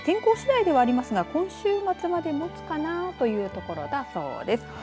天候しだいでありますが今週末まで、もつかなというところだそうです。